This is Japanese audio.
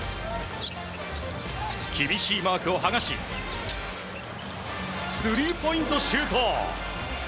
厳しいマークを剥がしスリーポイントシュート！